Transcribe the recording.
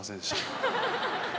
ハハハハ！